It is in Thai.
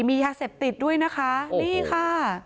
มียาเสพติดด้วยนะคะนี่ค่ะ